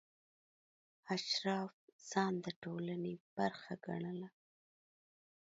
اشراف ځان د ټولنې برخه ګڼله.